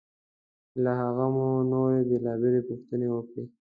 له هغه مو نورې بېلابېلې پوښتنې وکړې.